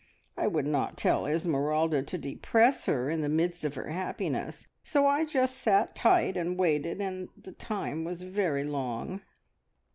I would not tell Esmeralda to depress her in the midst of her happiness, so I just sat tight and waited, and the time was very long.